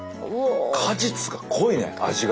果実が濃いね味が。